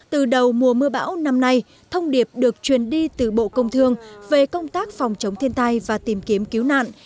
từ đầu mùa mưa bão năm nay thông điệp được truyền đi từ bộ công thương về công tác phòng chống thiên tai và tìm kiếm cứu nạn